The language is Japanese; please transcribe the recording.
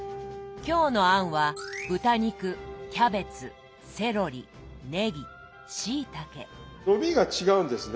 今日の餡は伸びが違うんですね。